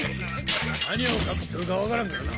何を隠しとるか分からんからな。